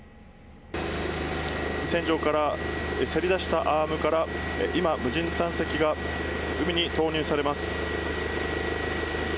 船上からせり出したアームから今、無人探査機が海に投入されます。